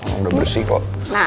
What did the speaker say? udah bersih kok